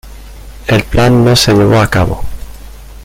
El plan no se llevó a cabo.